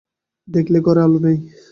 দেখলে ঘরে আলো নেই।